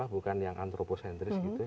bukan yang antroposentris gitu ya